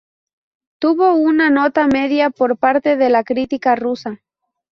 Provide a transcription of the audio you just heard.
Tuvo una nota media por parte de la crítica rusa.